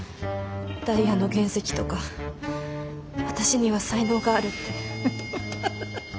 ダイヤの原石とか私には才能があるって。